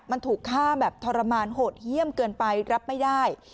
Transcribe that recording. มันถูกฆ่าแบบทรมานโหดเยี่ยมเกินไปรับไม่ได้